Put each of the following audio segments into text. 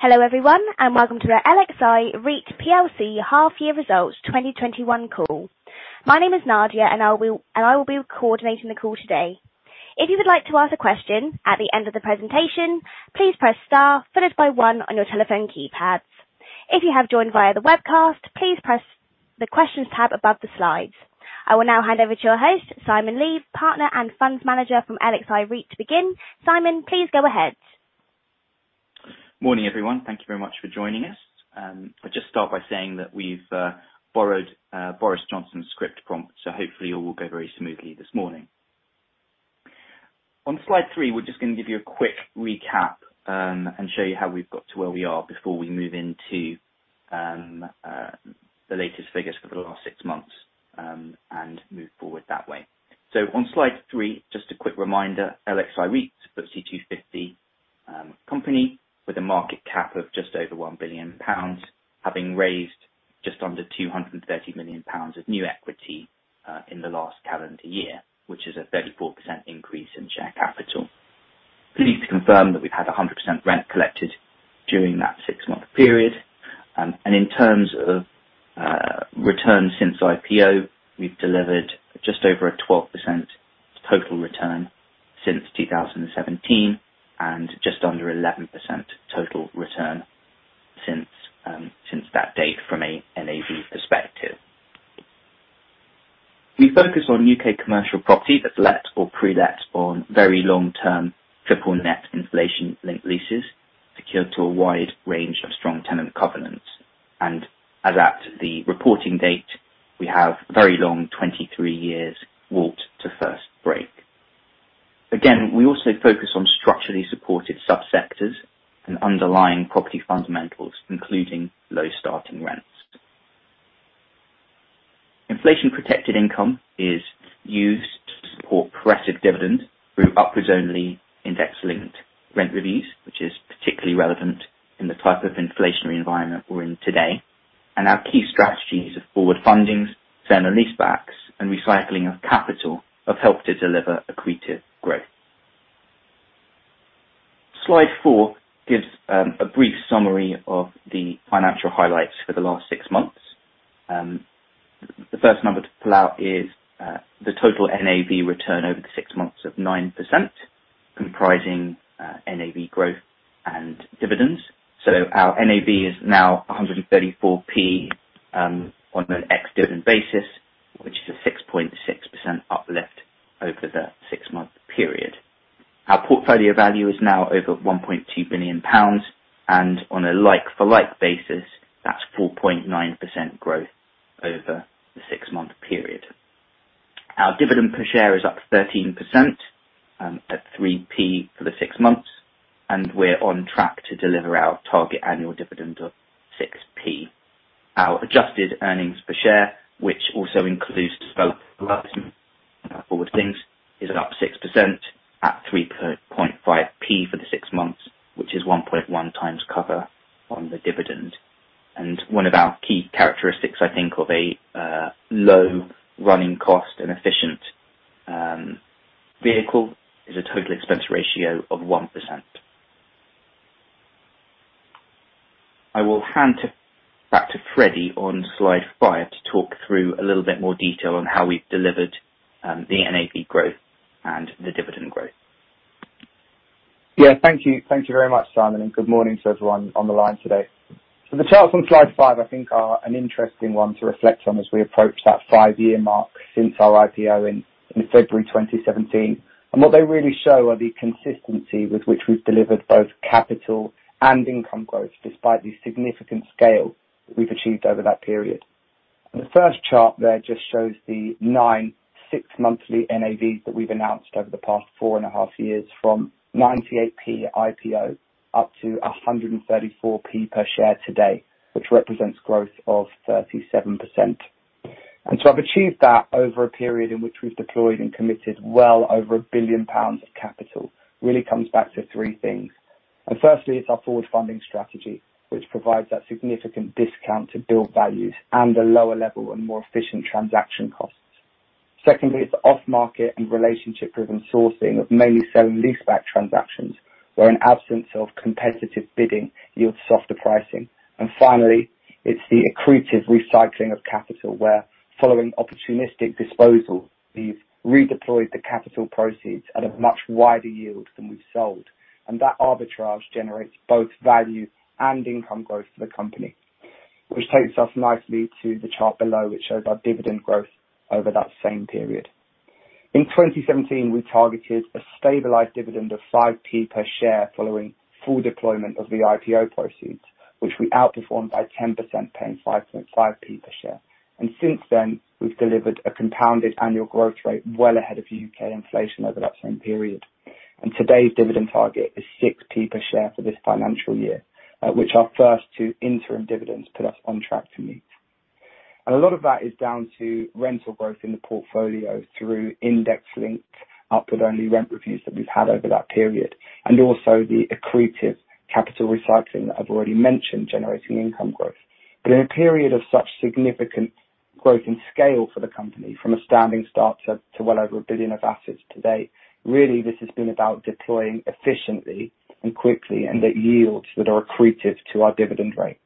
Hello everyone, and welcome to our LXI REIT plc half year results 2021 call. My name is Nadia, and I will be coordinating the call today. If you would like to ask a question at the end of the presentation, please press star followed by one on your telephone keypads. If you have joined via the webcast, please press the questions tab above the slides. I will now hand over to your host, Simon Lee, Partner and Fund Manager from LXI REIT to begin. Simon, please go ahead. Morning, everyone. Thank you very much for joining us. I'll just start by saying that we've borrowed Boris Johnson's script prompt, so hopefully all will go very smoothly this morning. On slide three, we're just gonna give you a quick recap, and show you how we've got to where we are before we move into the latest figures for the last six months, and move forward that way. On slide three, just a quick reminder, LXI REIT's a FTSE 250 company with a market cap of just over 1 billion pounds, having raised just under 230 million pounds of new equity in the last calendar year, which is a 34% increase in share capital. Pleased to confirm that we've had 100% rent collected during that six-month period. In terms of returns since IPO, we've delivered just over 12% total return since 2017, and just under 11% total return since that date from a NAV perspective. We focus on U.K. commercial property that's let or pre-let on very long-term triple net inflation-linked leases, secured to a wide range of strong tenant covenants. As at the reporting date, we have a very long 23-year WALT to first break. We also focus on structurally supported sub-sectors and underlying property fundamentals, including low starting rents. Inflation-protected income is used to support progressive dividend through upwards-only index-linked rent reviews, which is particularly relevant in the type of inflationary environment we're in today. Our key strategies of forward funding, sale and leasebacks, and recycling of capital have helped to deliver accretive growth. Slide four gives a brief summary of the financial highlights for the last six months. The first number to pull out is the total NAV return over the six months of 9% comprising NAV growth and dividends. Our NAV is now 134p on an ex-dividend basis, which is a 6.6% uplift over the six-month period. Our portfolio value is now over 1.2 billion pounds and on a like for like basis, that's 4.9% growth over the six-month period. Our dividend per share is up 13% at 3p for the six months, and we're on track to deliver our target annual dividend of 6p. Our adjusted earnings per share, which also includes both forward things, is up 6% at 3.5p for the six months, which is 1.1x cover on the dividend. One of our key characteristics, I think of a low running cost and efficient vehicle, is a total expense ratio of 1%. I will hand back to Freddie on slide five to talk through a little bit more detail on how we've delivered the NAV growth and the dividend growth. Yeah. Thank you. Thank you very much, Simon, and good morning to everyone on the line today. The charts on slide five, I think are an interesting one to reflect on as we approach that 5-year mark since our IPO in February 2017. What they really show are the consistency with which we've delivered both capital and income growth despite the significant scale that we've achieved over that period. The first chart there just shows the nine 6-monthly NAVs that we've announced over the past 4.5 years, from 98p IPO up to 134p per share today, which represents growth of 37%. I've achieved that over a period in which we've deployed and committed well over 1 billion pounds of capital. Really comes back to three things. Firstly, it's our forward funding strategy, which provides that significant discount to build costs and a lower level and more efficient transaction costs. Secondly, it's off-market and relationship-driven sourcing of mainly sale and leaseback transactions, where an absence of competitive bidding yields softer pricing. Finally, it's the accretive recycling of capital, where following opportunistic disposal, we've redeployed the capital proceeds at a much wider yield than we've sold. That arbitrage generates both value and income growth for the company. Which takes us nicely to the chart below, which shows our dividend growth over that same period. In 2017, we targeted a stabilized dividend of 5p per share following full deployment of the IPO proceeds, which we outperformed by 10%, paying 5.5p per share. Since then, we've delivered a compounded annual growth rate well ahead of U.K. inflation over that same period. Today's dividend target is 6p per share for this financial year, which our first two interim dividends put us on track to meet. A lot of that is down to rental growth in the portfolio through index-linked upwards-only rent reviews that we've had over that period and also the accretive capital recycling that I've already mentioned, generating income growth. In a period of such significant growth and scale for the company from a standing start to well over 1 billion of assets today, really this has been about deploying efficiently and quickly and at yields that are accretive to our dividend rate.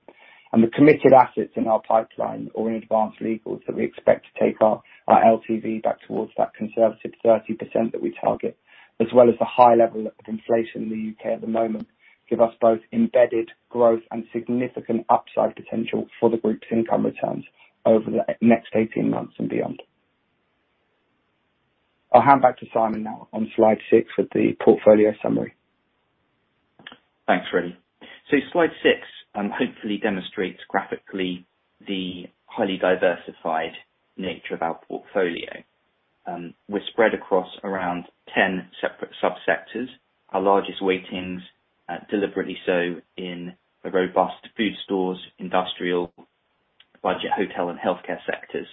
The committed assets in our pipeline or in advanced legals that we expect to take our LTV back towards that conservative 30% that we target, as well as the high level of inflation in the U.K. at the moment, give us both embedded growth and significant upside potential for the group's income returns over the next 18 months and beyond. I'll hand back to Simon now on slide six with the portfolio summary. Thanks, Freddie. Slide six hopefully demonstrates graphically the highly diversified nature of our portfolio. We're spread across around 10 separate sub-sectors. Our largest weightings, deliberately so in the robust food stores, industrial, budget hotel and healthcare sectors,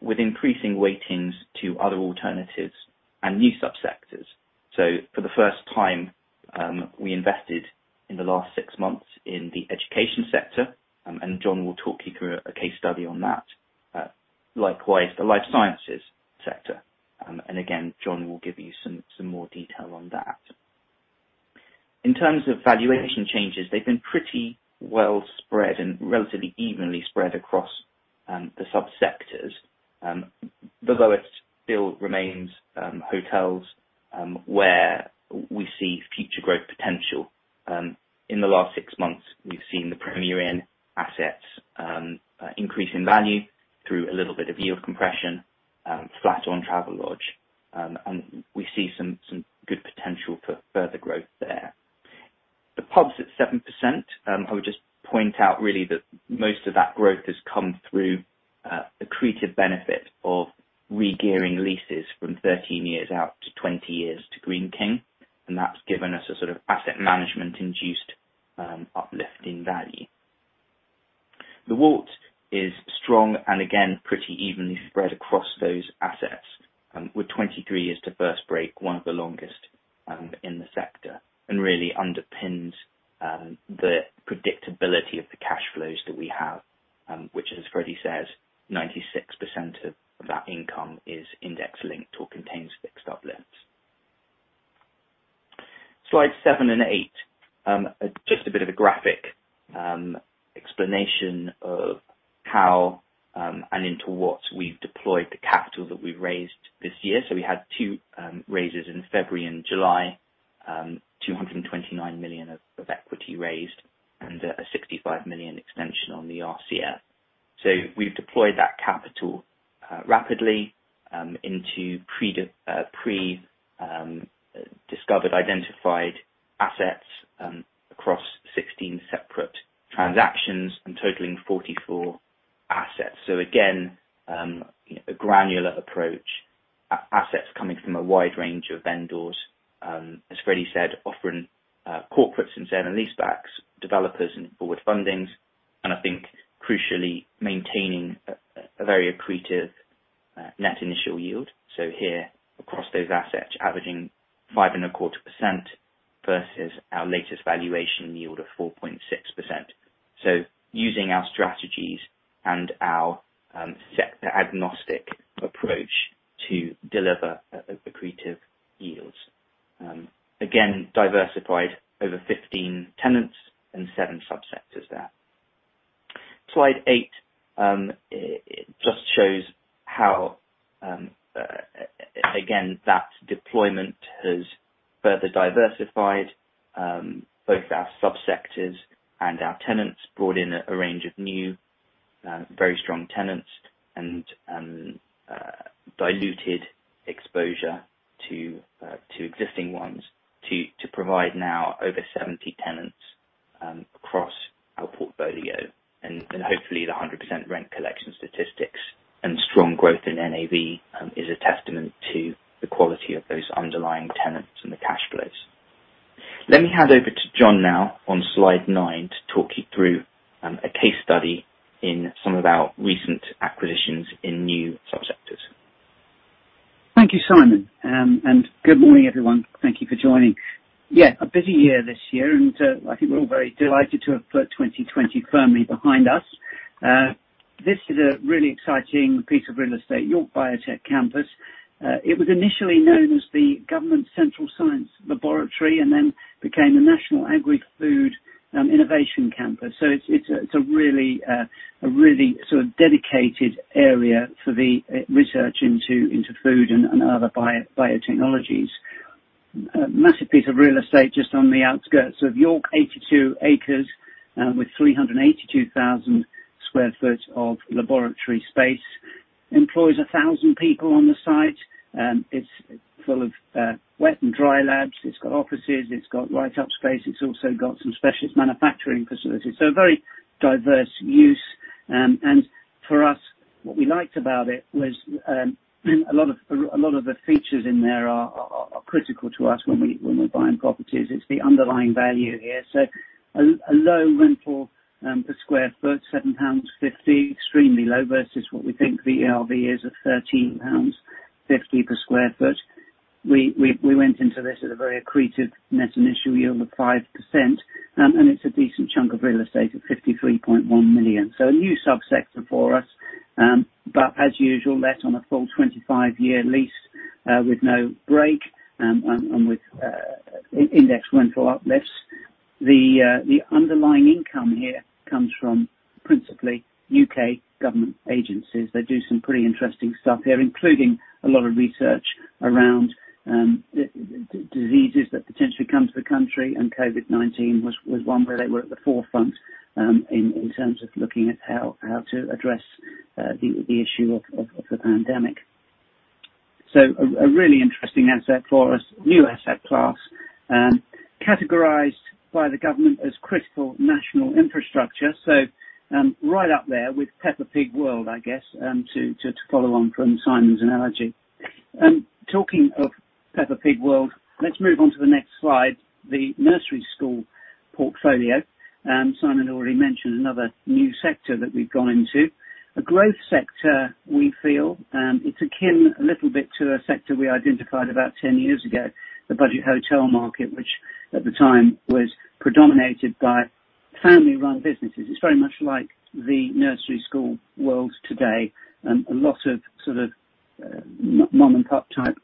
with increasing weightings to other alternatives and new sub-sectors. For the first time, we invested in the last 6 months in the education sector, and John will talk you through a case study on that. Likewise, the life sciences sector. And again, John will give you some more detail on that. In terms of valuation changes, they've been pretty well spread and relatively evenly spread across the sub-sectors. The lowest still remains hotels, where we see future growth potential. In the last 6 months, we've seen the Premier Inn assets increase in value through a little bit of yield compression, flat on Travelodge. We see some good potential for further growth there. The pubs at 7%. I would just point out really that most of that growth has come through accretive benefit of regearing leases from 13 years out to 20 years to Greene King. That's given us a sort of asset management induced uplift in value. The WALT is strong and again, pretty evenly spread across those assets, with 23 years to first break, one of the longest in the sector, and really underpins the predictability of the cash flows that we have, which as Freddie says, 96% of that income is index-linked or contains fixed uplifts. Slide seven and eight. Just a bit of a graphic explanation of how and into what we've deployed the capital that we've raised this year. We had two raises in February and July, 229 million of equity raised and a 65 million extension on the RCF. We've deployed that capital rapidly into pre-identified assets across 16 separate transactions and totaling 44 assets. Again, a granular approach, assets coming from a wide range of vendors, as Freddie said, offering corporates and sale and leasebacks, developers and forward fundings, and I think crucially maintaining a very accretive net initial yield. Here across those assets, averaging 5.25% versus our latest valuation yield of 4.6%. Using our strategies and our sector agnostic approach to deliver accretive yields. Again, diversified over 15 tenants and seven sub-sectors there. Slide eight just shows how again, that deployment has further diversified both our sub-sectors and our tenants. Brought in a range of new very strong tenants and diluted exposure to existing ones to provide now over 70 tenants across our portfolio. Hopefully the 100% rent collection statistics and strong growth in NAV is a testament to the quality of those underlying tenants and the cash flows. Let me hand over to John now on slide nine to talk you through a case study in some of our recent acquisitions in new sub-sectors. Thank you, Simon. Good morning, everyone. Thank you for joining. Yeah, a busy year this year and I think we're all very delighted to have put 2020 firmly behind us. This is a really exciting piece of real estate, York Biotech Campus. It was initially known as the Central Science Laboratory and then became the National Agri-Food Innovation Campus. It's a really sort of dedicated area for the research into food and other biotechnologies. A massive piece of real estate just on the outskirts of York, 82 acres with 382,000 sq ft of laboratory space. Employs 1,000 people on the site. It's full of wet and dry labs. It's got offices. It's got write-up space. It's also got some specialist manufacturing facilities. Very diverse use. For us, what we liked about it was, a lot of the features in there are critical to us when we're buying properties. It's the underlying value here, so, a low rental per sq ft, 7.50. Extremely low versus what we think the ARV is of 13.50 pounds per sq ft. We went into this at a very accretive net initial yield of 5%. It's a decent chunk of real estate at 53.1 million. A new subsector for us. As usual, let on a full 25-year lease, with no break, and with RPI-indexed rental uplifts. The underlying income here comes from principally U.K. government agencies. They do some pretty interesting stuff here, including a lot of research around diseases that potentially come to the country, and COVID-19 was one where they were at the forefront in terms of looking at how to address the issue of the pandemic. A really interesting asset for us, new asset class, categorized by the government as critical national infrastructure. Right up there with Peppa Pig World, I guess, to follow on from Simon's analogy. Talking of Peppa Pig World, let's move on to the next slide, the nursery school portfolio. Simon already mentioned another new sector that we've gone into. A growth sector we feel, it's akin a little bit to a sector we identified about 10 years ago, the budget hotel market, which at the time was predominated by family-run businesses. It's very much like the nursery school world today, a lot of sort of, mom-and-pop type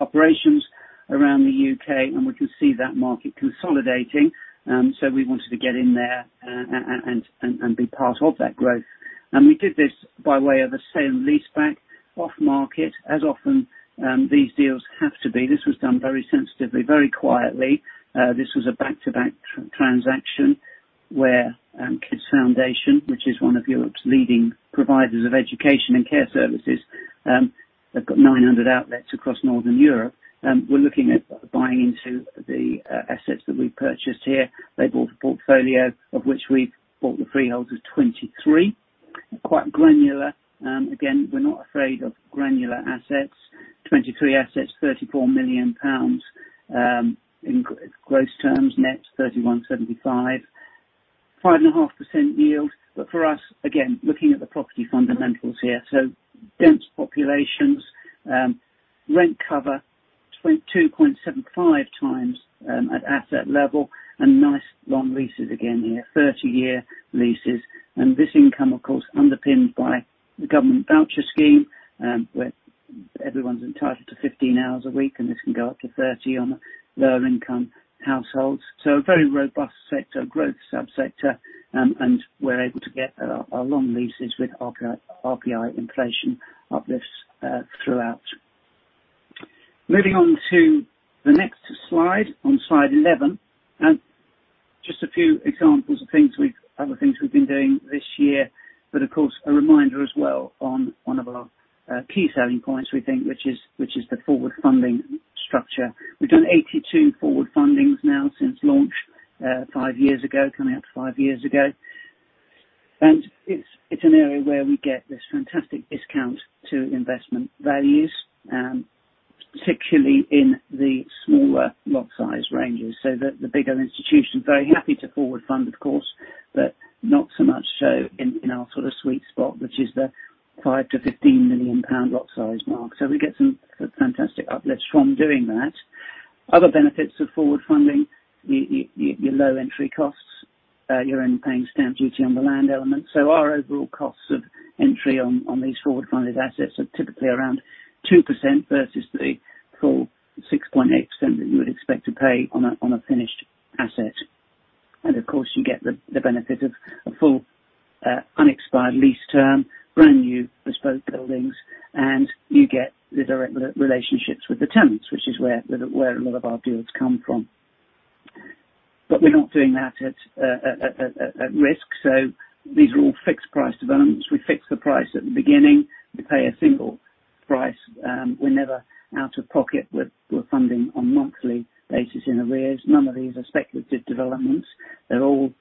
operations around the U.K., and we can see that market consolidating. We wanted to get in there and be part of that growth. We did this by way of a sale and leaseback off market, as often these deals have to be. This was done very sensitively, very quietly. This was a back-to-back transaction, where KidsFoundation, which is one of Europe's leading providers of education and care services, they've got 900 outlets across Northern Europe. We're looking at buying into the assets that we've purchased here. They bought a portfolio of which we bought the freehold of 23. Quite granular. Again, we're not afraid of granular assets. 23 assets, 34 million pounds in gross terms, net, 31.75 million. 5.5% yield. For us, again, looking at the property fundamentals here, so dense populations, rent cover, 2.75x at asset level, and nice long leases again here, 30-year leases. This income, of course, underpinned by the government voucher scheme, where everyone's entitled to 15 hours a week, and this can go up to 30 on lower income households. A very robust sector, growth subsector, and we're able to get our long leases with RPI inflation uplifts throughout. Moving on to the next slide, on slide 11. Just a few examples of other things we've been doing this year, but of course, a reminder as well on one of our key selling points we think, which is the forward funding structure. We've done 82 forward fundings now since launch, five years ago, coming up to five years ago. It's an area where we get this fantastic discount to investment values, particularly in the smaller lot size ranges. The bigger institutions, very happy to forward fund, of course, but not so much so in our sort of sweet spot, which is the 5 million-15 million pound lot size mark. We get some fantastic uplifts from doing that. Other benefits of forward funding, your low entry costs, you're only paying stamp duty on the land element. Our overall costs of entry on these forward funded assets are typically around 2% versus the full 6.8% that you would expect to pay on a finished asset. Of course, you get the benefit of a full unexpired lease term, brand new bespoke buildings, and you get the direct relationships with the tenants, which is where a lot of our deals come from. We're not doing that at risk. These are all fixed price developments. We fix the price at the beginning, we pay a single price, we're never out of pocket. We're funding on a monthly basis in arrears. None of these are speculative developments. They're all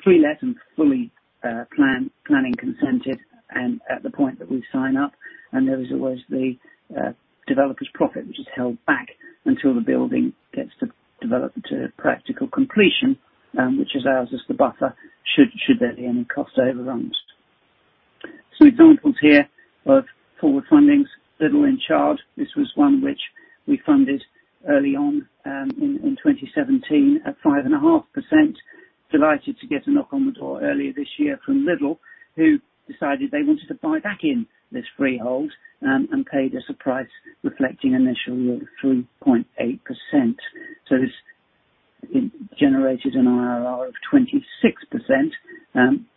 pre-let and fully planning consented and at the point that we sign up, and there is always the developer's profit, which is held back until the building gets developed to practical completion, which allows us to buffer should there be any cost overruns. Some examples here of forward fundings. Lidl in Chard. This was one which we funded early on in 2017 at 5.5%. Delighted to get a knock on the door earlier this year from Lidl, who decided they wanted to buy back in this freehold, and paid us a price reflecting initial yield of 3.8%. This generated an IRR of 26%. It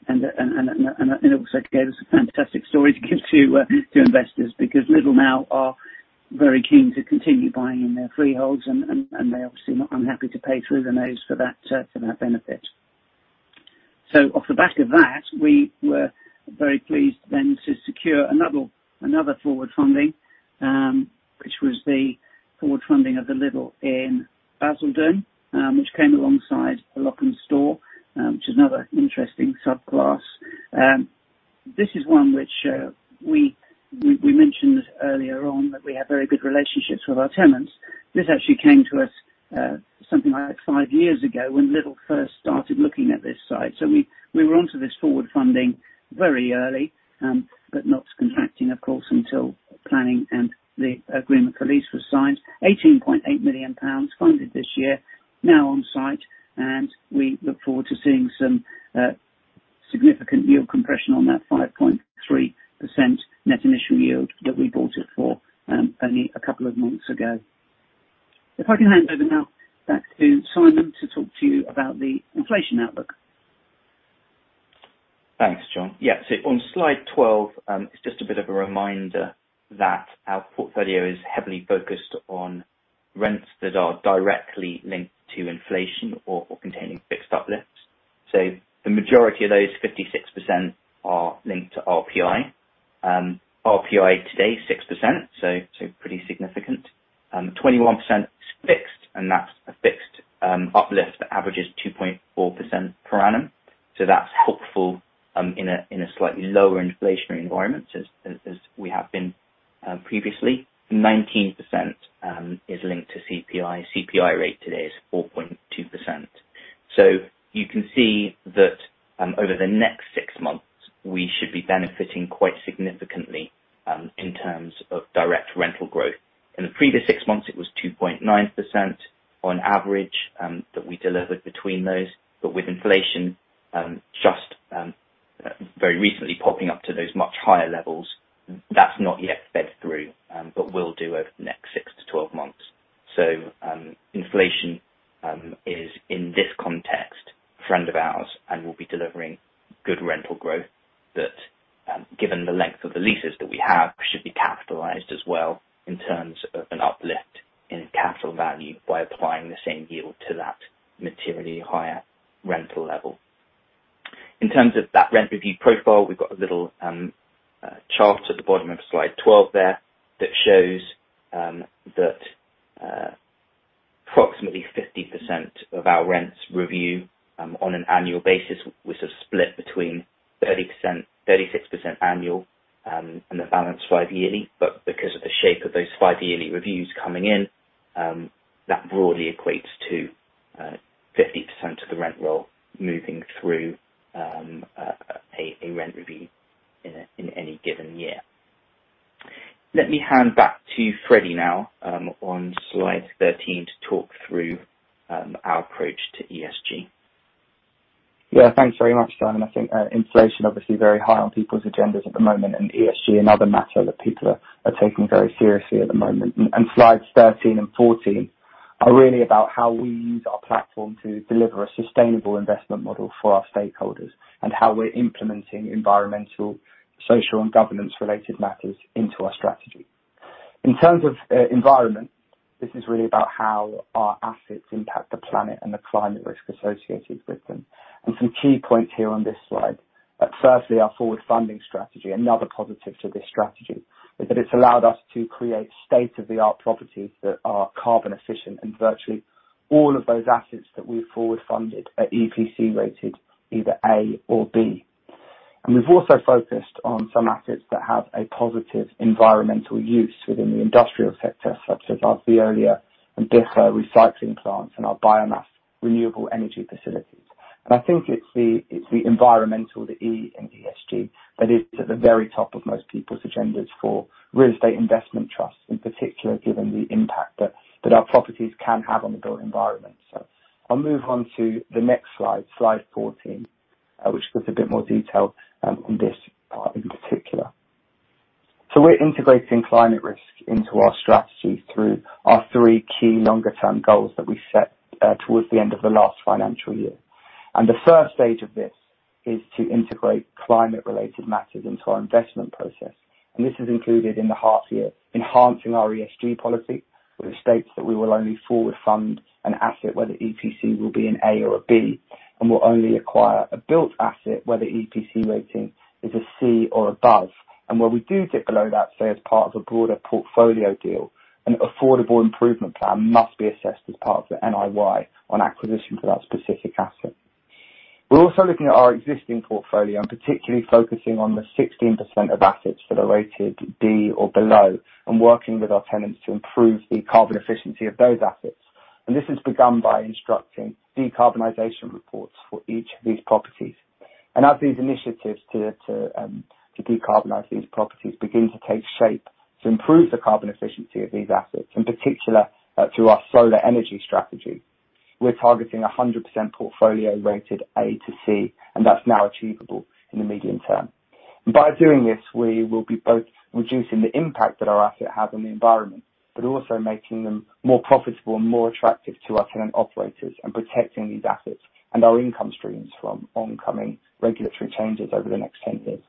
also gave us a fantastic story to give to investors because Lidl now are very keen to continue buying in their freeholds and they're obviously not unhappy to pay through the nose for that benefit. Off the back of that, we were very pleased then to secure another forward funding which was the forward funding of the Lidl in Basildon which came alongside a lock-up store which is another interesting subclass. This is one which we mentioned earlier on that we have very good relationships with our tenants. This actually came to us something like 5 years ago when Lidl first started looking at this site. We were onto this forward funding very early, but not contracting, of course, until planning and the agreement for lease was signed. 18.8 million pounds funded this year. Now on site, and we look forward to seeing some significant yield compression on that 5.3% net initial yield that we bought it for only a couple of months ago. If I can hand over now back to Simon to talk to you about the inflation outlook. Thanks, John. Yeah. On slide 12, it's just a bit of a reminder that our portfolio is heavily focused on rents that are directly linked to inflation or containing fixed uplifts. The majority of those, 56% are linked to RPI. RPI today is 6%, pretty significant. 21% Let me hand back to Freddie now on slide 13 to talk through our approach to ESG. Yeah. Thanks very much, Simon. I think inflation obviously very high on people's agendas at the moment, and ESG another matter that people are taking very seriously at the moment. Slides 13 and 14 are really about how we use our platform to deliver a sustainable investment model for our stakeholders, and how we're implementing environmental, social, and governance related matters into our strategy. In terms of environment, this is really about how our assets impact the planet and the climate risk associated with them. Some key points here on this slide. Firstly, our forward funding strategy. Another positive to this strategy is that it's allowed us to create state-of-the-art properties that are carbon efficient, and virtually all of those assets that we've forward funded are EPC rated either A or B. We've also focused on some assets that have a positive environmental use within the industrial sector, such as our Veolia and Defra recycling plants and our biomass renewable energy facilities. I think it's the environmental, the E in ESG, that is at the very top of most people's agendas for real estate investment trusts, in particular, given the impact that our properties can have on the built environment. I'll move on to the next slide 14, which gives a bit more detail on this part in particular. We're integrating climate risk into our strategy through our three key longer term goals that we set towards the end of the last financial year. The first stage of this is to integrate climate related matters into our investment process. This is included in the half-year enhancing our ESG policy, which states that we will only forward fund an asset where the EPC will be an A or a B, and will only acquire a built asset where the EPC rating is a C or above. Where we do dip below that, say as part of a broader portfolio deal, an affordable improvement plan must be assessed as part of the NIY on acquisition for that specific asset. We're also looking at our existing portfolio and particularly focusing on the 16% of assets that are rated D or below, and working with our tenants to improve the carbon efficiency of those assets. This has begun by instructing decarbonization reports for each of these properties. As these initiatives to decarbonize these properties begin to take shape to improve the carbon efficiency of these assets, in particular, through our solar energy strategy, we're targeting 100% portfolio rated A to C, and that's now achievable in the medium term. By doing this, we will be both reducing the impact that our asset has on the environment, but also making them more profitable and more attractive to our tenant operators and protecting these assets and our income streams from oncoming regulatory changes over the next 10 years.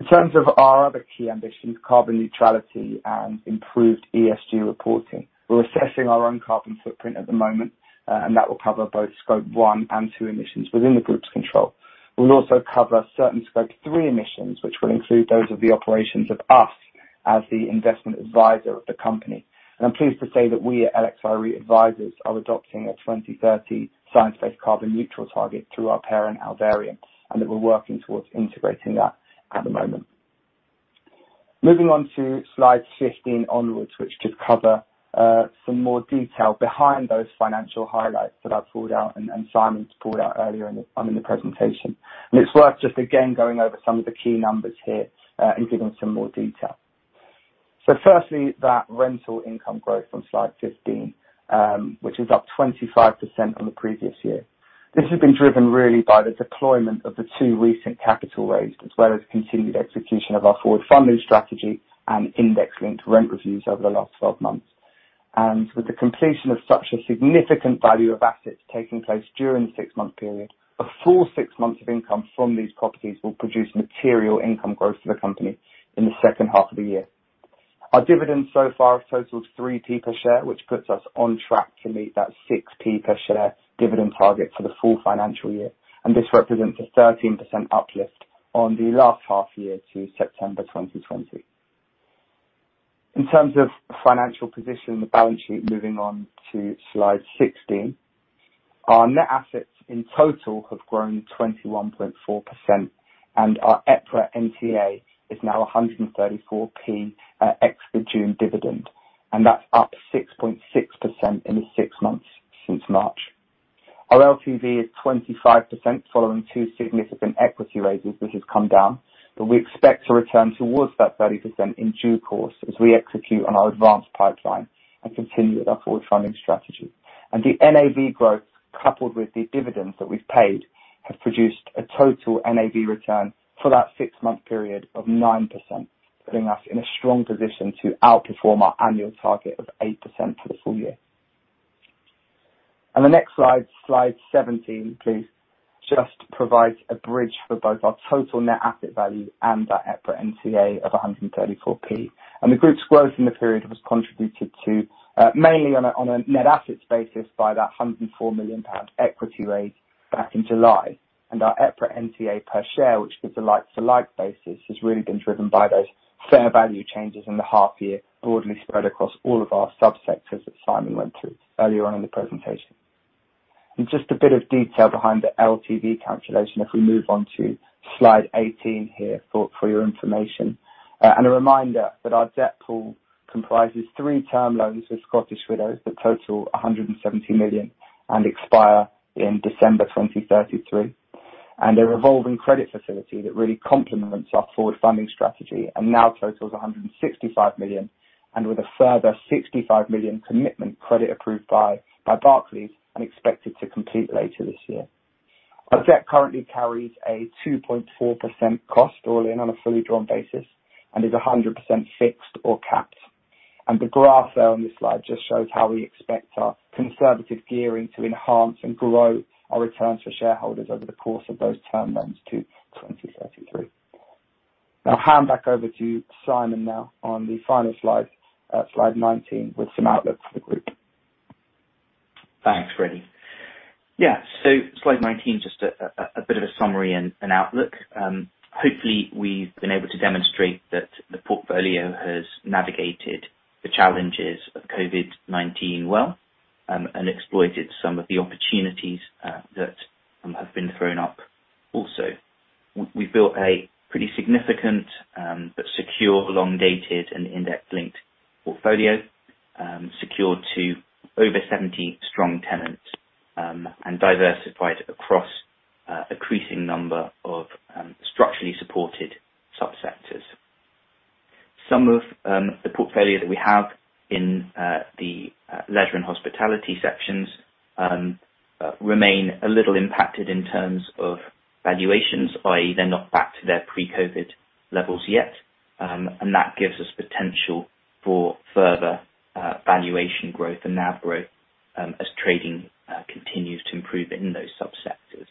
In terms of our other key ambitions, carbon neutrality and improved ESG reporting, we're assessing our own carbon footprint at the moment. That will cover both Scope 1 and Scope 2 emissions within the group's control. We'll also cover certain Scope 3 emissions, which will include those of the operations of us as the investment advisor of the company. I'm pleased to say that we at LXI REIT Advisors are adopting a 2030 science-based carbon neutral target through our parent, Alvarium, and that we're working towards integrating that at the moment. Moving on to slide 15 onwards, which just cover some more detail behind those financial highlights that I've pulled out and Simon's pulled out earlier in the presentation. It's worth just again going over some of the key numbers here and giving some more detail. Firstly, that rental income growth on slide 15, which is up 25% on the previous year. This has been driven really by the deployment of the two recent capital raised, as well as continued execution of our forward funding strategy and index-linked rent reviews over the last 12 months. With the completion of such a significant value of assets taking place during the six-month period, a full six months of income from these properties will produce material income growth to the company in the second half of the year. Our dividends so far have totaled 3p per share, which puts us on track to meet that 6p per share dividend target for the full financial year, and this represents a 13% uplift on the last half year to September 2020. In terms of financial position and the balance sheet, moving on to slide 16. Our net assets in total have grown 21.4%, and our EPRA NTA is now 134p at ex-dividend. That's up 6.6% in the 6 months since March. Our LTV is 25% following two significant equity raises, which has come down, but we expect to return towards that 30% in due course as we execute on our advanced pipeline and continue with our forward funding strategy. The NAV growth, coupled with the dividends that we've paid, have produced a total NAV return for that six-month period of 9%, putting us in a strong position to outperform our annual target of 8% for the full year. The next slide 17, please, just provides a bridge for both our total net asset value and our EPRA NTA of 134p. The group's growth in the period was contributed to mainly on a net assets basis by that 104 million pound equity raise back in July. Our EPRA NTA per share, which is a like-for-like basis, has really been driven by those fair value changes in the half year broadly spread across all of our subsectors that Simon went through earlier on in the presentation. Just a bit of detail behind the LTV calculation, if we move on to slide 18 here for your information. A reminder that our debt pool comprises three term loans with Scottish Widows that total 170 million and expire in December 2033. A revolving credit facility that really complements our forward funding strategy and now totals 165 million, with a further 65 million commitment credit approved by Barclays and expected to complete later this year. Our debt currently carries a 2.4% cost all-in on a fully drawn basis and is 100% fixed or capped. The graph there on this slide just shows how we expect our conservative gearing to enhance and grow our returns for shareholders over the course of those term loans to 2033. I'll hand back over to Simon now on the final slide 19, with some outlook for the group. Thanks, Freddie. Yeah. Slide 19, just a bit of a summary and outlook. Hopefully we've been able to demonstrate that the portfolio has navigated the challenges of COVID-19 well, and exploited some of the opportunities that have been thrown up also. We've built a pretty significant, but secure long-dated and index-linked portfolio, secured to over 70 strong tenants, and diversified across an increasing number of structurally supported subsectors. Some of the portfolio that we have in the leisure and hospitality sections remain a little impacted in terms of valuations, i.e., they're not back to their pre-COVID levels yet. That gives us potential for further valuation growth and NAV growth, as trading continues to improve in those subsectors.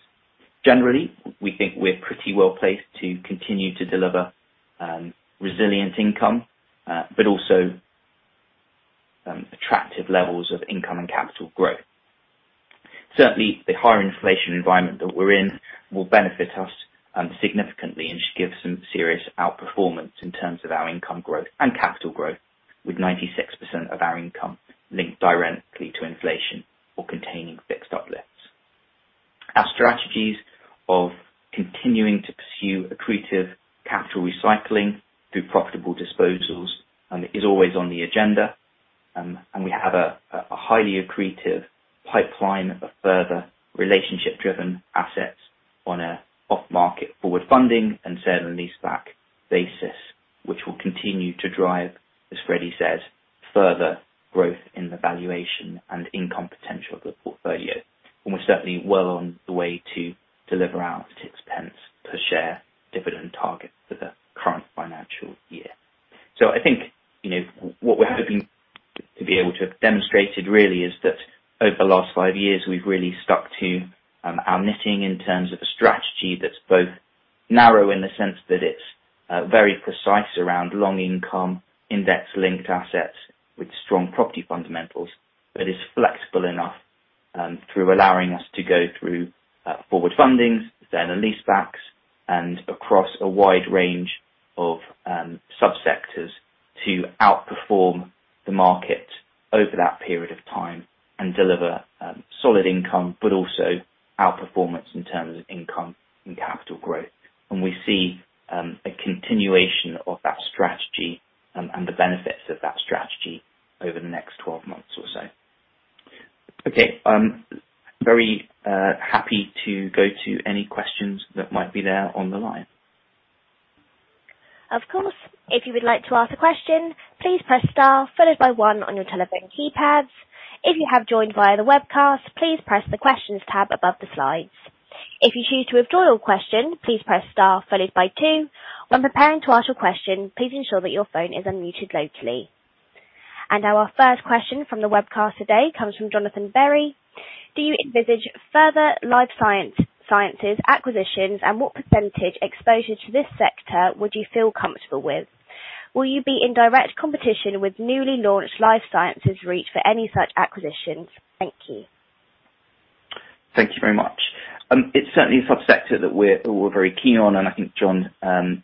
Generally, we think we're pretty well-placed to continue to deliver resilient income, but also attractive levels of income and capital growth. Certainly, the higher inflation environment that we're in will benefit us significantly and should give some serious outperformance in terms of our income growth and capital growth, with 96% of our income linked directly to inflation or containing fixed uplifts. Our strategies of continuing to pursue accretive capital recycling through profitable disposals is always on the agenda. We have a highly accretive pipeline of further relationship-driven assets on an off-market forward funding and sale and leaseback basis, which will continue to drive, as Freddie says, further growth in the valuation and income potential of the portfolio. We're certainly well on the way to deliver our 0.06 per share dividend target for the current financial year. I think, you know, what we're hoping to be able to have demonstrated really is that over the last 5 years, we've really stuck to our knitting in terms of a strategy that's both narrow in the sense that it's very precise around long income index-linked assets with strong property fundamentals, but is flexible enough through allowing us to go through forward fundings, then the leasebacks and across a wide range of subsectors to outperform the market over that period of time and deliver solid income, but also outperformance in terms of income and capital growth. We see a continuation of that strategy and the benefits of that strategy over the next 12 months or so. Okay. Very happy to go to any questions that might be there on the line. Now our first question from the webcast today comes from Jonathan Berry. Do you envisage further life sciences acquisitions? And what % exposure to this sector would you feel comfortable with? Will you be in direct competition with newly launched Life Science REIT for any such acquisitions? Thank you. Thank you very much. It's certainly a subsector that we're very keen on. I think John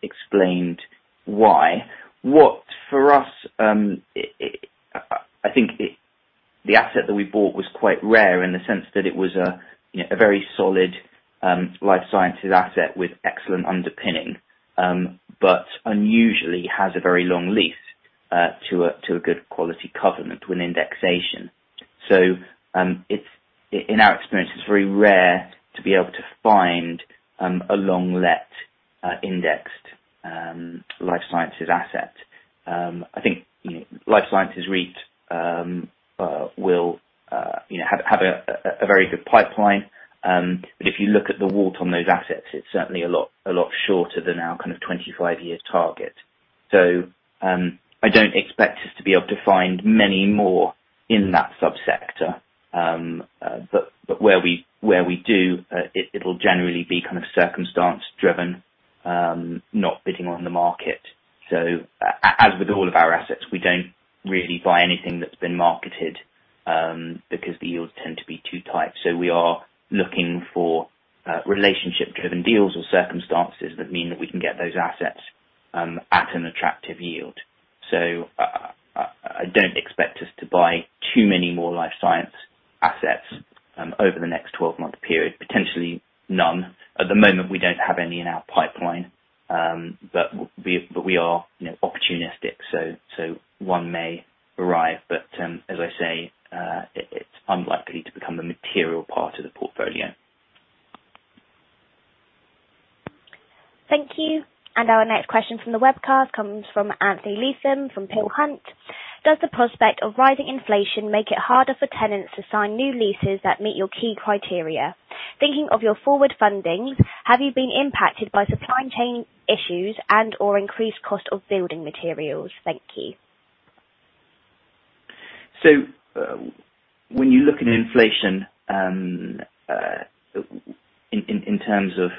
explained why. I think the asset that we bought was quite rare in the sense that it was a very solid life sciences asset with excellent underpinning, but unusually has a very long lease to a good quality covenant with indexation. In our experience, it's very rare to be able to find a long let indexed life sciences asset. I think, you know, Life Science REIT will, you know, have a very good pipeline. If you look at the WALT on those assets, it's certainly a lot shorter than our kind of 25 years target. I don't expect us to be able to find many more in that subsector. But where we do, it'll generally be kind of circumstance driven, not bidding on the market. As with all of our assets, we don't really buy anything that's been marketed, because the yields tend to be too tight. We are looking for relationship-driven deals or circumstances that mean that we can get those assets at an attractive yield. I don't expect us to buy too many more life science assets over the next 12-month period. Potentially none. At the moment, we don't have any in our pipeline. But we are, you know, opportunistic, so one may arrive. As I say, it's unlikely to become a material part of the portfolio. Thank you. Our next question from the webcast comes from Anthony Leatham from Peel Hunt. Does the prospect of rising inflation make it harder for tenants to sign new leases that meet your key criteria? Thinking of your forward funding, have you been impacted by supply chain issues and/or increased cost of building materials? Thank you. When you look at inflation, in terms of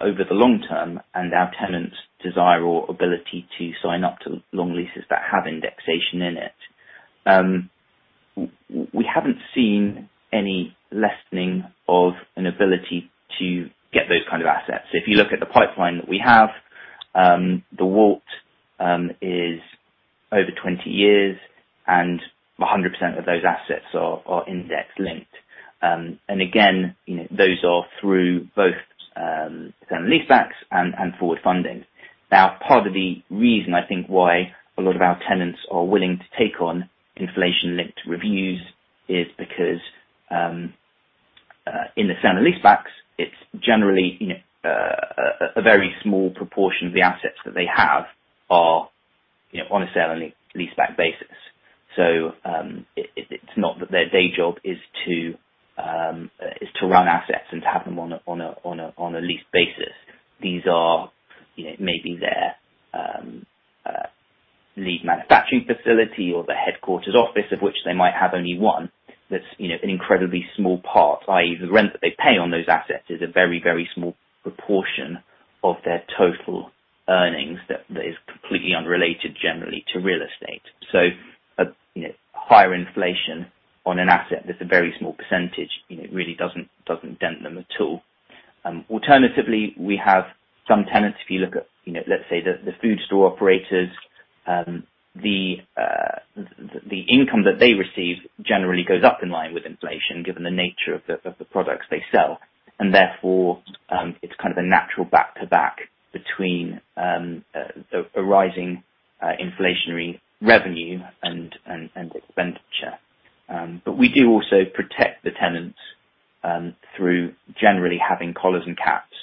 over the long term and our tenants' desire or ability to sign up to long leases that have indexation in it, we haven't seen any lessening of an ability to get those kind of assets. If you look at the pipeline that we have, the WALT is over 20 years and 100% of those assets are index linked. Again, you know, those are through both sale and leasebacks and forward funding. Now, part of the reason I think why a lot of our tenants are willing to take on inflation-linked reviews is because in the sale and leasebacks, it's generally, you know, a very small proportion of the assets that they have are, you know, on a sale and leaseback basis. It's not that their day job is to run assets and to have them on a lease basis. These are, you know, maybe their lead manufacturing facility or the headquarters office of which they might have only one that's, you know, an incredibly small part, i.e., the rent that they pay on those assets is a very, very small proportion of their total earnings that is completely unrelated generally to real estate. A higher inflation on an asset that's a very small percentage, you know, really doesn't dent them at all. Alternatively, we have some tenants. If you look at, you know, let's say the food store operators, the income that they receive generally goes up in line with inflation given the nature of the products they sell. Therefore, it's kind of a natural back-to-back between a rising inflationary revenue and expenditure. We do also protect the tenants through generally having collars and caps.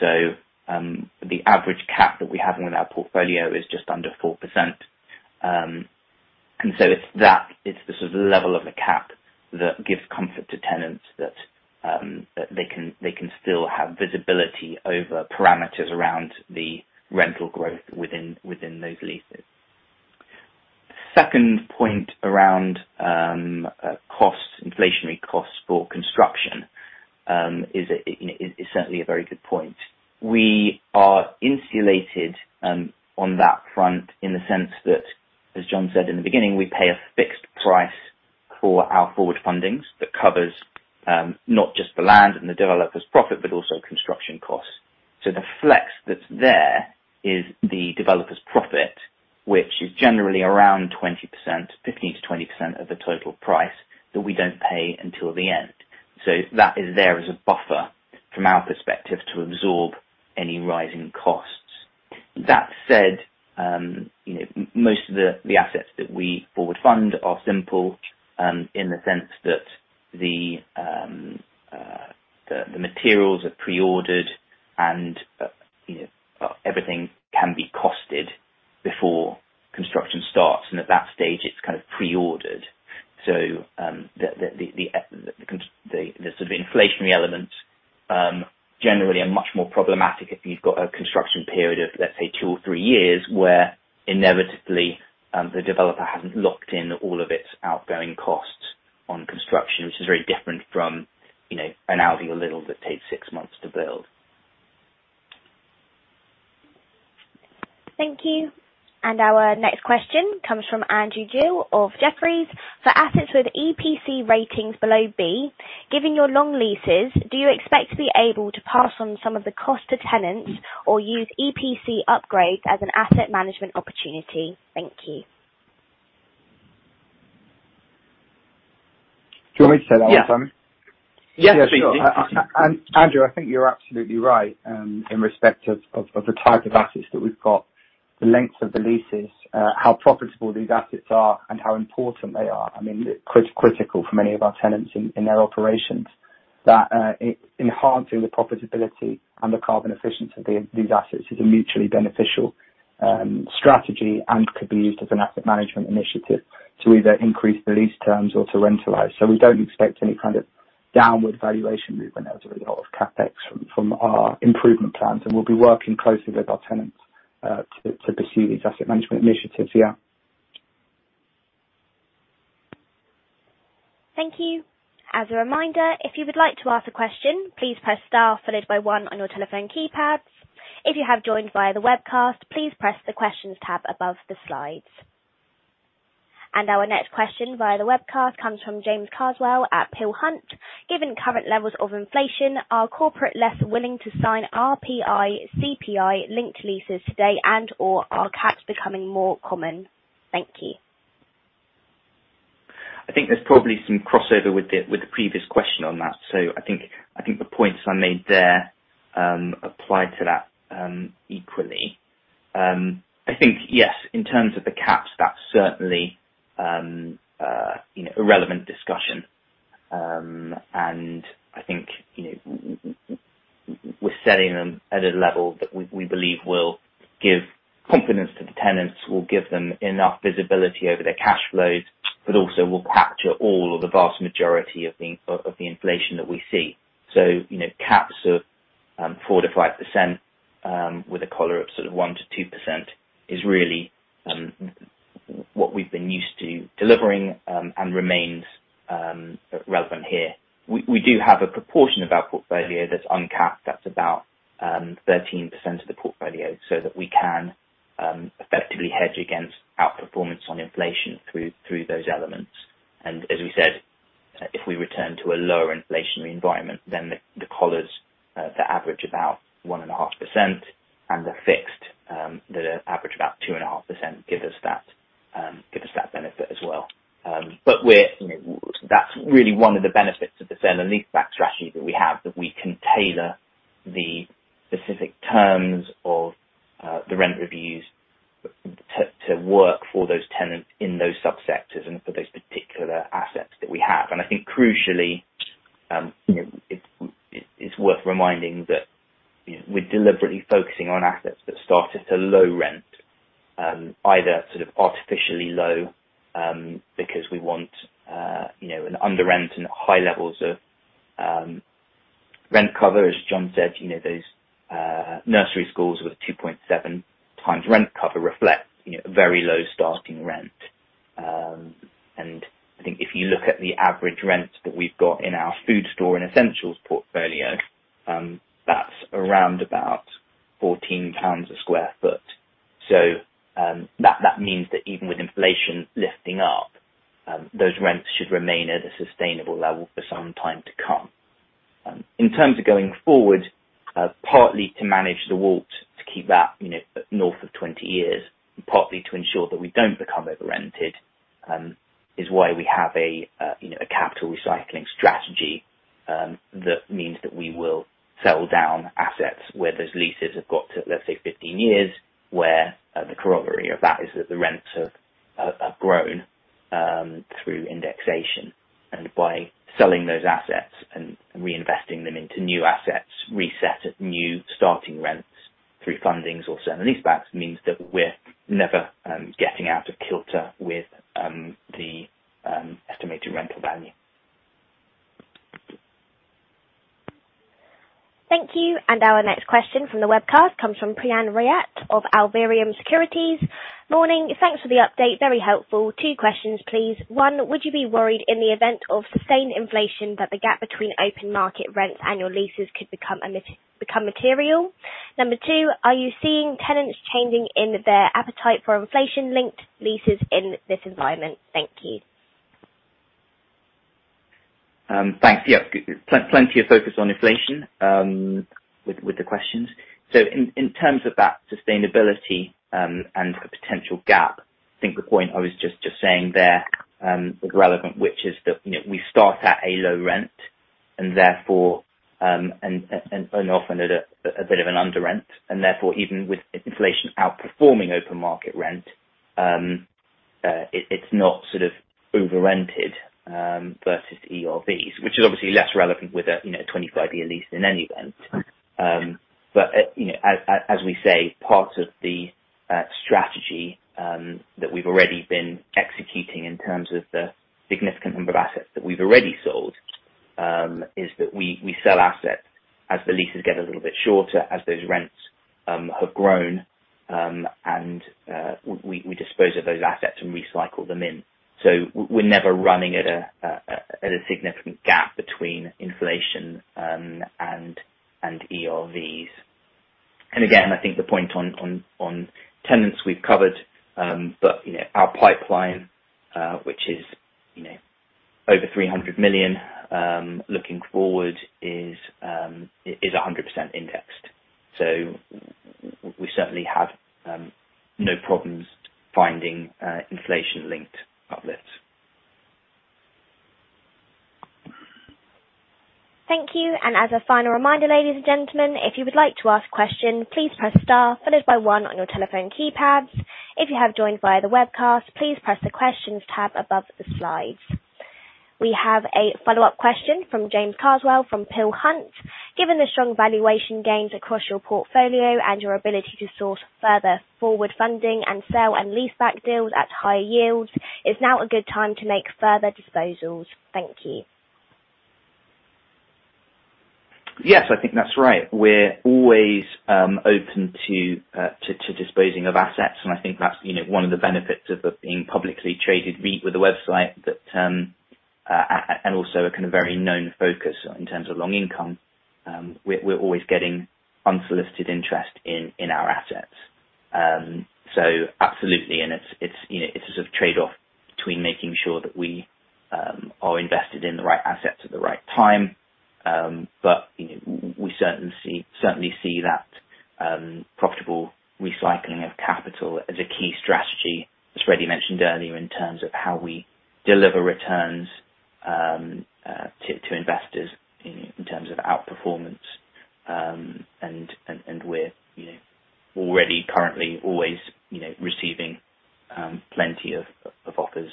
The average cap that we have with our portfolio is just under 4%. It's the sort of level of the cap that gives comfort to tenants that they can still have visibility over parameters around the rental growth within those leases. Second point around costs, inflationary costs for construction is certainly a very good point. We are insulated on that front in the sense that, as John said in the beginning, we pay a fixed price for our forward fundings that covers not just the land and the developer's profit, but also construction costs. The flex that's there is the developer's profit, which is generally around 20%, 15%-20% of the total price that we don't pay until the end. That is there as a buffer from our perspective to absorb any rising costs. That said, you know, most of the assets that we forward fund are simple in the sense that the materials are pre-ordered and you know everything can be costed before construction starts, and at that stage it's kind of pre-ordered. The sort of inflationary elements generally are much more problematic if you've got a construction period of, let's say, 2 or 3 years, where inevitably the developer hasn't locked in all of its outgoing costs on construction, which is very different from, you know, an Aldi or Lidl that takes six months to build. Thank you. Our next question comes from Andrew Gill of Jefferies. For assets with EPC ratings below B, given your long leases, do you expect to be able to pass on some of the cost to tenants or use EPC upgrades as an asset management opportunity? Thank you. Do you want me to take that one, Simon? Yeah. Yes, please. Andrew, I think you're absolutely right in respect of the type of assets that we've got, the lengths of the leases, how profitable these assets are and how important they are. I mean, critical for many of our tenants in their operations. Enhancing the profitability and the carbon efficiency of these assets is a mutually beneficial strategy and could be used as an asset management initiative to either increase the lease terms or to rentalize. We don't expect any kind of downward valuation movement as a result of CapEx from our improvement plans, and we'll be working closely with our tenants to pursue these asset management initiatives. Yeah. Thank you. As a reminder, if you would like to ask a question, please press star followed by one on your telephone keypads. If you have joined via the webcast, please press the Questions tab above the slides. Our next question via the webcast comes from James Carswell at Peel Hunt. Given current levels of inflation, are corporates less willing to sign RPI, CPI-linked leases today and/or are caps becoming more common? Thank you. I think there's probably some crossover with the previous question on that. I think the points I made there apply to that equally. I think, yes, in terms of the caps, that's certainly you know a relevant discussion. I think you know we're setting them at a level that we believe will give confidence to the tenants, will give them enough visibility over their cash flows, but also will capture all of the vast majority of the inflation that we see. You know, caps of 4%-5% with a collar of sort of 1%-2% is really what we've been used to delivering and remains relevant here. We do have a proportion of our portfolio that's uncapped. That's about 13% of the portfolio, so that we can effectively hedge against outperformance on inflation through those elements. As we said, if we return to a lower inflationary environment, then the collars that average about 1.5%, and the fixed that average about 2.5%, give us that benefit as well. You know, that's really one of the benefits of the sale and leaseback strategy that we have, that we can tailor the specific terms of the rent reviews to work for those tenants in those subsectors and for those particular assets that we have. I think crucially, you know, it's worth reminding that, you know, we're deliberately focusing on assets that start at a low rent, either sort of artificially low, because we want, you know, an underrent and high levels of, rent cover. As John said, you know, those nursery schools with 2.7x rent cover reflect, you know, a very low starting rent. I think if you look at the average rents that we've got in our food store and essentials portfolio, that's around 14 lbs a sq ft. That means that even with inflation lifting up, those rents should remain at a sustainable level for some time to come. In terms of going forward, partly to manage the WALT to keep that, you know, north of 20 years, and partly to ensure that we don't become over-rented, is why we have a, you know, a capital recycling strategy, that means that we will sell down assets where those leases have got to, let's say, 15 years, where, the corollary of that is that the rents have grown through indexation. By selling those assets and reinvesting them into new assets, reset at new starting rents through forward funding or sale and leasebacks, means that we're never getting out of kilter with the estimated rental value. Thank you. Our next question from the webcast comes from Priyan Ratna of Alvarium Securities. Morning, thanks for the update. Very helpful. Two questions, please. One, would you be worried in the event of sustained inflation that the gap between open market rents and your leases could become material? Number two, are you seeing tenants changing in their appetite for inflation-linked leases in this environment? Thank you. Thanks. Yeah, plenty of focus on inflation with the questions. In terms of that sustainability and a potential gap, I think the point I was just saying there is relevant, which is that you know we start at a low rent and therefore and often at a bit of an under rent, and therefore even with inflation outperforming open market rent it's not sort of over rented versus ERVs, which is obviously less relevant with a you know 25-year lease in any event. You know, as we say, part of the strategy that we've already been executing in terms of the significant number of assets that we've already sold is that we sell assets as the leases get a little bit shorter, as those rents have grown, and we dispose of those assets and recycle them in. We're never running at a significant gap between inflation and ERVs. Again, I think the point on tenants we've covered, but you know, our pipeline, which is, you know, over 300 million looking forward is 100% indexed. We certainly have no problems finding inflation-linked uplifts. As a final reminder, ladies and gentlemen, if you would like to ask question, please press star followed by one on your telephone keypads. If you have joined via the webcast, please press the Questions tab above the slides. We have a follow-up question from James Carswell from Peel Hunt. Given the strong valuation gains across your portfolio and your ability to source further forward funding and sale and leaseback deals at higher yields, is now a good time to make further disposals? Thank you. Yes, I think that's right. We're always open to disposing of assets. I think that's, you know, one of the benefits of being publicly traded REIT with a website and also a kind of well-known focus in terms of long income. We're always getting unsolicited interest in our assets. Absolutely. It's, you know, a sort of trade-off between making sure that we are invested in the right assets at the right time. You know, we certainly see that profitable recycling of capital as a key strategy, as Freddie mentioned earlier, in terms of how we deliver returns to investors in terms of outperformance. We're, you know, already currently always, you know, receiving plenty of offers.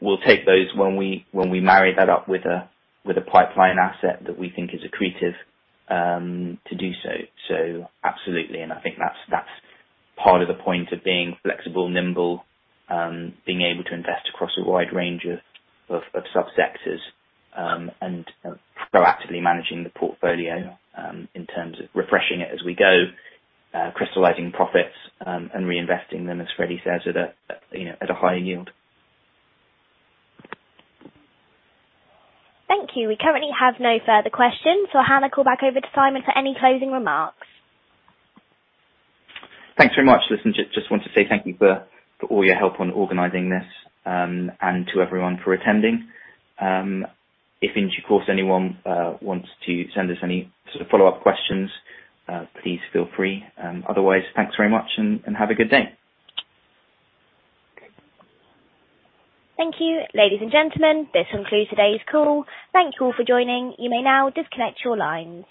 We'll take those when we marry that up with a pipeline asset that we think is accretive to do so. Absolutely. I think that's part of the point of being flexible, nimble, being able to invest across a wide range of subsectors, and proactively managing the portfolio, in terms of refreshing it as we go, crystallizing profits, and reinvesting them, as Freddie says, at a, you know, at a higher yield. Thank you. We currently have no further questions. Hannah, call back over to Simon for any closing remarks. Thanks very much. Listen, just want to say thank you for all your help on organizing this, and to everyone for attending. If in due course anyone wants to send us any sort of follow-up questions, please feel free. Otherwise, thanks very much and have a good day. Thank you. Ladies and gentlemen, this concludes today's call. Thank you all for joining. You may now disconnect your lines.